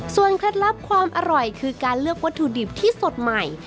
เคล็ดลับความอร่อยคือการเลือกวัตถุดิบที่สดใหม่